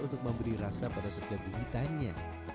untuk memberi rasa pada setiap gigitannya